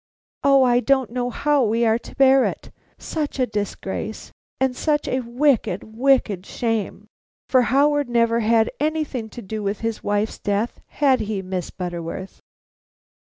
O, I don't know how we are to bear it! Such a disgrace, and such a wicked, wicked shame! For Howard never had anything to do with his wife's death, had he, Miss Butterworth?"